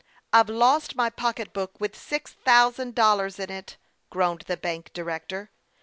" I've lost my pocketbook, Avith six thousand dol lars in it," groaned the bank director.